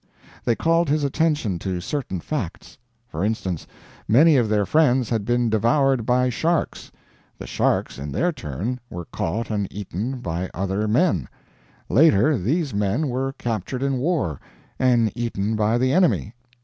They called his attention to certain facts. For instance, many of their friends had been devoured by sharks; the sharks, in their turn, were caught and eaten by other men; later, these men were captured in war, and eaten by the enemy.